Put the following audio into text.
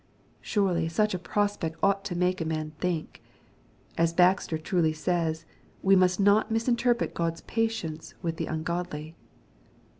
Surely such a prospect ought to make a man think. As Baxter truly says, " We must not mis interpret God's patience with the ungodly."